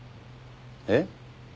えっ？